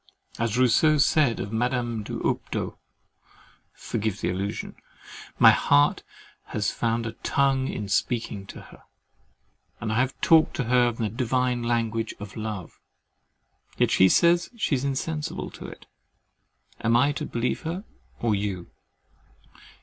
As Rousseau said of Madame d'Houptot (forgive the allusion) my heart has found a tongue in speaking to her, and I have talked to her the divine language of love. Yet she says, she is insensible to it. Am I to believe her or you?